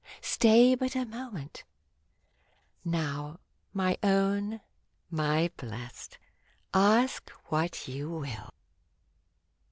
Stay but a moment ! Now — my own ! my blest ! Ask what you will.